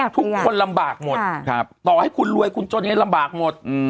ทุกคนลำบากหมดต่อให้คุณรวยคุณจนให้ลำบากหมด